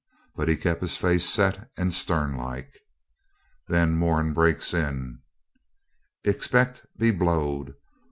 But he kept his face set and stern like. Then Moran breaks in 'Expect, be blowed!